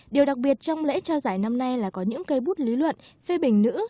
điều đặc biệt trong lễ trao giải năm nay là có những cây bút lý luận phê bình nữ